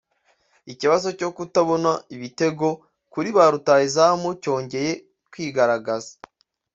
Ikibazo cyo kutabone ibitego kuri ba rutahizamu cyongeye kwigaragaza